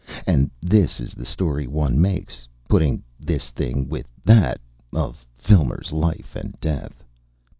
And this is the story one makes, putting this thing with that, of Filmer's life and death.